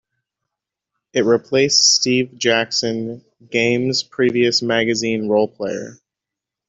It replaced Steve Jackson Games' previous magazine "Roleplayer".